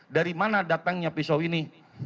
dari mana datangnya pisau ini